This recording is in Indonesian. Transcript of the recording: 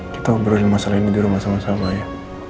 kita ngobrol masalah ini di rumah sama sama ya